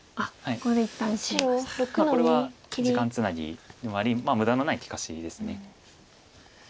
これは時間つなぎでもあり無駄のない利かしです。